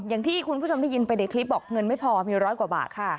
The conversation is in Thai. อย่างที่คุณผู้ชมได้ยินไปในคลิปบอกเงินไม่พอมีร้อยกว่าบาทค่ะ